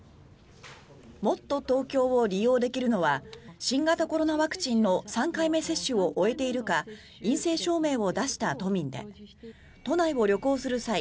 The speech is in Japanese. もっとＴｏｋｙｏを利用できるのは新型コロナワクチンの３回目接種を終えているか陰性証明を出した都民で都内を旅行する際